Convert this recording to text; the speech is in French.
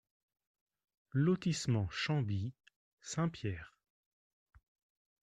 Lotissement Chamby, Saint-Pierre